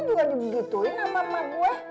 gue juga dibegituin sama emak gue